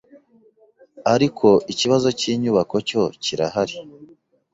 ariko ikibazo cy’inyubako cyo kirahari.